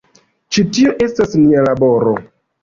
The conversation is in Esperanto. Ĉi tio estas nia laboro.